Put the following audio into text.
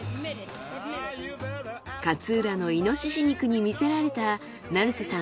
勝浦の猪肉に魅せられた成瀬さん